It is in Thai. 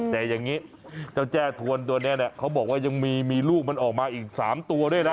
แต่อย่างนี้เจ้าแจ้ทวนตัวนี้เนี่ยเขาบอกว่ายังมีลูกมันออกมาอีก๓ตัวด้วยนะ